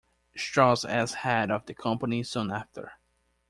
Strouse as head of the company soon after.